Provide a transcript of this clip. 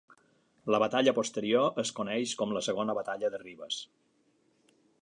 La batalla posterior es coneix com la Segona Batalla de Rivas.